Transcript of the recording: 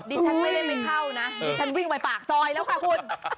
ดิฉันไม่ได้ไปเข้านะดิฉันวิ่งไปปากซอยแล้วค่ะคุณ